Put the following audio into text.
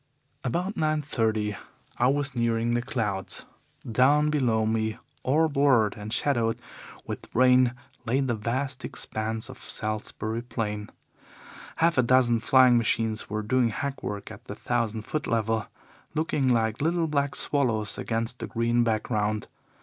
"About nine thirty I was nearing the clouds. Down below me, all blurred and shadowed with rain, lay the vast expanse of Salisbury Plain. Half a dozen flying machines were doing hackwork at the thousand foot level, looking like little black swallows against the green background.